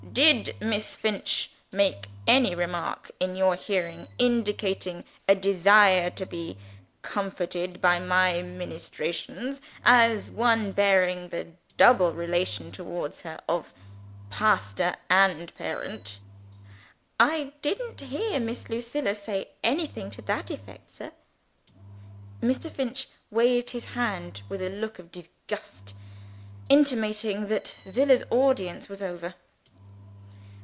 Did Miss Finch make any remark, in your hearing, indicating a desire to be comforted by My Ministrations as one bearing the double relation towards her of pastor and parent?" "I didn't hear Miss Lucilla say anything to that effect, sir." Mr. Finch waved his hand with a look of disgust, intimating that Zillah's audience was over.